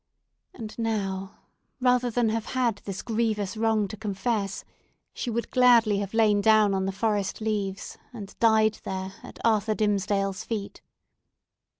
And now, rather than have had this grievous wrong to confess, she would gladly have laid down on the forest leaves, and died there, at Arthur Dimmesdale's feet.